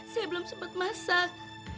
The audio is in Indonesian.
saya belum sempat masak